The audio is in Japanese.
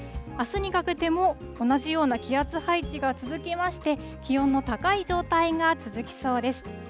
あすにかけても同じような気圧配置が続きまして、気温の高い状態が続きそうです。